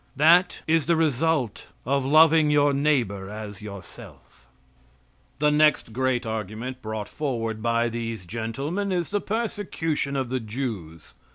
That is the result of loving your neighbor as yourself. The next great argument brought forward by these gentlemen is the persecution of the Jews.